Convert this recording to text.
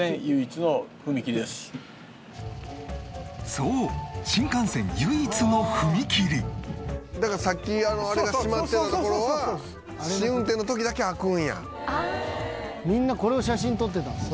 そう新幹線唯一の踏切だからさっきあれが閉まってたところが「みんなこれを写真に撮ってたんですね」